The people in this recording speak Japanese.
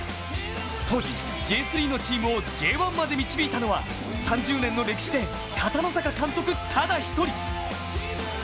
当時Ｊ３のチームをＪ１まで導いたのは３０年の歴史で片野坂監督ただ１人。